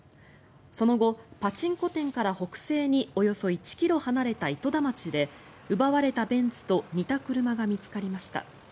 その後、パチンコ店から北西におよそ１ｋｍ離れた糸田町で奪われたベンツと似た車が見つかりました。